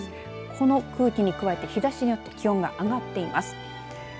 この空気に加えて日ざしによって気温が上がっています。